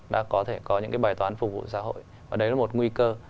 đã có thể có những cái bài toán phục vụ xã hội và đấy là một nguy cơ